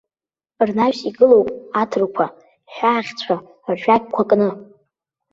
Рнаҩс игылоуп аҭырқәа ҳәаахьшьцәа ршәақьқәа кны.